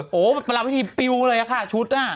โอ้โฮประมาณวิธีปิ๊วเลยค่ะชุดหน้า